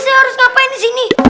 saya harus ngapain disini